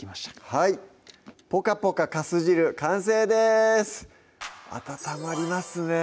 はい「ぽかぽか粕汁」完成です温まりますね